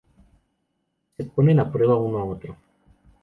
Se ponen a prueba uno a uno.